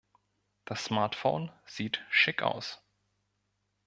Das Smartphone sieht schick aus.